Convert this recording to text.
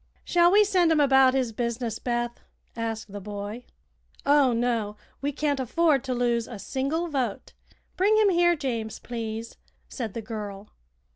"Shall we send him about his business, Beth?" asked the boy. "Oh, no; we can't afford to lose a single vote. Bring him here, James, please," said the girl.